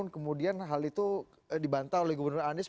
kemudian hal itu dibantah oleh gubernur anies